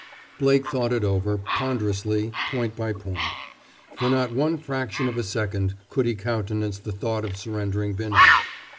Blake thought it over, ponderously, point by point. For not one fraction of a second could he countenance the thought of surrendering Binhart.